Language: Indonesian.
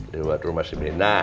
lewat rumah si mina